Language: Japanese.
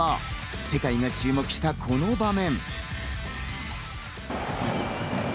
世界が注目したこの場面。